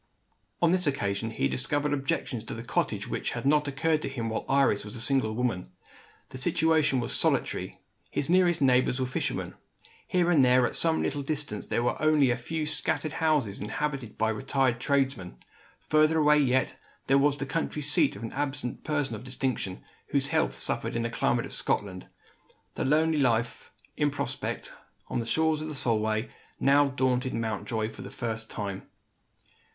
On this occasion, he discovered objections to the cottage which had not occurred to him while Iris was a single woman. The situation was solitary; his nearest neighbours were fishermen. Here and there, at some little distance, there were only a few scattered houses inhabited by retired tradesmen. Further away yet, there was the country seat of an absent person of distinction, whose health suffered in the climate of Scotland. The lonely life in prospect, on the shores of the Solway, now daunted Mountjoy for the first time.